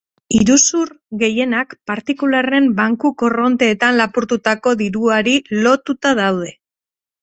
Iruzur gehienak partikularren banku-korronteetan lapurtutako diruari lotuta daude.